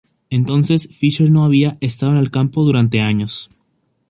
Entonces, Fisher no había "estado en el campo durante años".